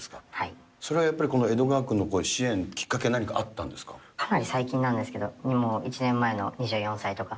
それはやっぱり江戸川区の支援、きっかけ、何かあったんですかなり最近なんですけど、１年前の２４歳とか。